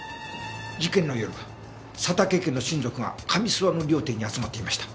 事件の夜佐竹家の親族が上諏訪の料亭に集まっていました。